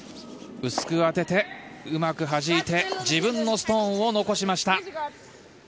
薄く当てて、うまくはじいて自分のストーンを残しました。